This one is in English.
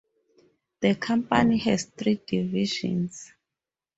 The company has three divisions.